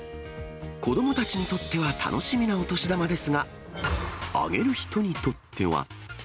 子どもたちにとっては楽しみなお年玉ですが、あげる人にとっては。